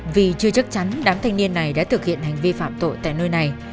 vì chưa chắc chắn đám thanh niên này đã thực hiện hành vi phạm tội tại nơi này